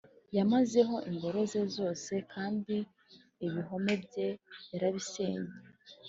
Yamazeho ingoro ze zose, Kandi ibihome bye yarabisenye,